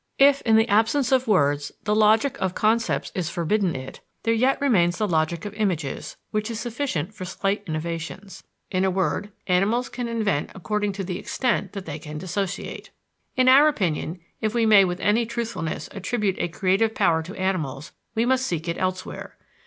If, in the absence of words, the logic of concepts is forbidden it, there yet remains the logic of images, which is sufficient for slight innovations. In a word, animals can invent according to the extent that they can dissociate. In our opinion, if we may with any truthfulness attribute a creative power to animals, we must seek it elsewhere.